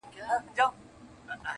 جنابِ عشقه ما کفن له ځان سره راوړی.